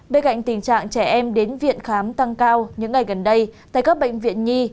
bên cạnh tình trạng trẻ em đến viện khám tăng cao những ngày gần đây tại các bệnh viện nhi